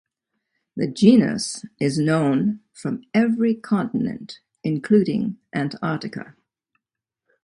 The genus is known from every continent including Antarctica.